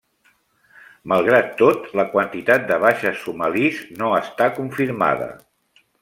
Malgrat tot, la quantitat de baixes somalis no està confirmada.